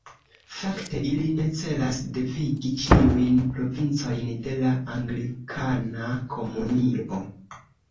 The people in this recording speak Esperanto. Fakte ili ne celas devigi ĉiujn provincojn de la Anglikana Komunio.